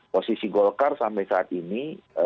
posisi golkar sampai saat ini